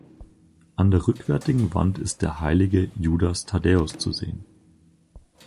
An der rückwärtigen Wand ist der heilige Judas Thaddäus zu sehen.